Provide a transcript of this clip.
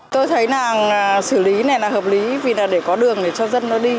tôi thấy là xử lý này là hợp lý vì là để có đường để cho dân nó đi